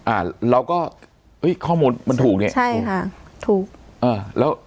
อ่าเราก็เอ้ยข้อมูลมันถูกเนี่ยใช่ค่ะถูกอ่าแล้ว